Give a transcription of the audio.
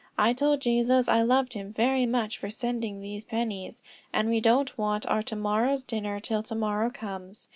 I told Jesus I loved him very much for sending these pennies; and we don't want our to morrow's dinner till to morrow comes.